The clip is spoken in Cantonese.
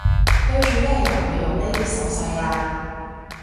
對住咩人會用呢啲手勢吖